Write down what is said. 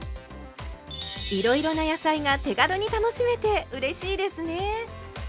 いろいろな野菜が手軽に楽しめてうれしいですね。